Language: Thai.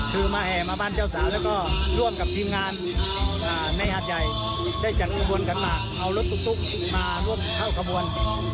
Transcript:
คือมาแห่มาบ้านเจ้าสาวแล้วก็ร่วมกับทีมงานในหาดใหญ่ได้จัดขบวนขันหมากเอารถตุ๊กมาร่วมเข้าขบวน